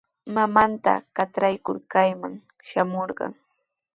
Mamanta katraykur kayman shamurqan.